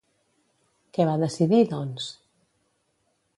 Què va decidir, doncs?